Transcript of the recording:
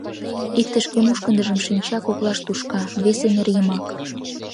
«Икте шке мушкындыжым шинча коклаш тушка, весе — нер йымак...